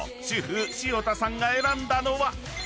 ［主婦潮田さんが選んだのは］